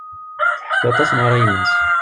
Tḥekku aṭas Newwara i yemma-s.